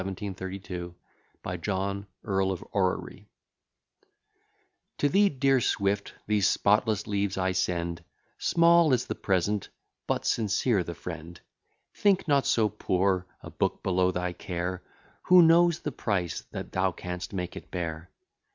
BY JOHN, EARL OF ORRERY To thee, dear Swift, these spotless leaves I send; Small is the present, but sincere the friend. Think not so poor a book below thy care; Who knows the price that thou canst make it bear?